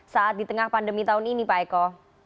saat di tengah pandemi tahun ini pak eko